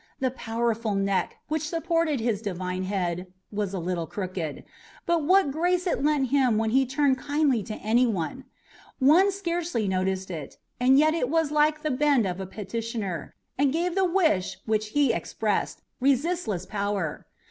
The powerful neck which supported his divine head was a little crooked; but what grace it lent him when he turned kindly to any one! One scarcely noticed it, and yet it was like the bend of a petitioner, and gave the wish which he expressed resistless power.